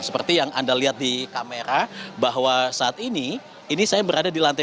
seperti yang anda lihat di kamera bahwa saat ini ini saya berada di lantai tiga